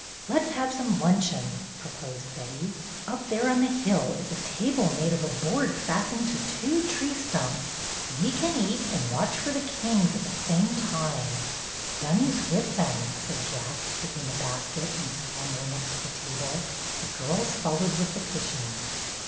"Let 's have some luncheon," proposed Betty. "Up there on the hill is a table made of a board fastened to two tree stumps. We can eat and watch for the Kings at the same time." THE PICNIC 39 "Dunny 's with them/' said Jack, taking the basket and scrambling up to the table. The girls followed with the cushions.